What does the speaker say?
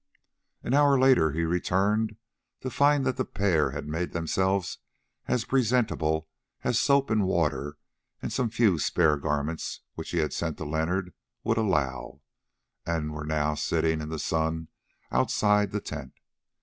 An hour later he returned to find that the pair had made themselves as presentable as soap and water, and some few spare garments which he had sent to Leonard, would allow, and were now sitting in the sun outside the tent.